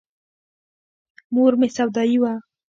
مور مې سودايي وه.